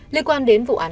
liên quan đến vụ án